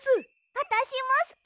あたしもすき！